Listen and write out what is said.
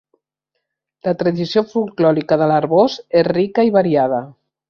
La tradició folklòrica de l'Arboç és rica i variada.